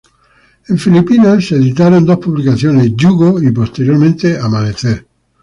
En Filipinas se editaron dos publicaciones: "Yugo," y posteriormente "Amanecer".